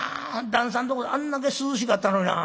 旦さんとこあんだけ涼しかったのにな。